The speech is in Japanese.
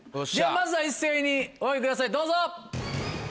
まずは一斉にお上げくださいどうぞ。